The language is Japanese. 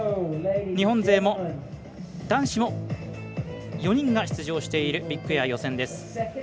日本勢も男子も４人が出場しているビッグエア予選です。